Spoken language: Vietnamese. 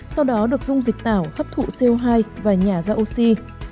sau đó được dung dịch tảo hấp thụ co hai và nhả ra oxy